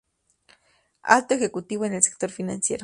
Alto ejecutivo en el sector financiero.